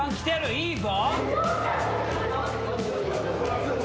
いいぞ。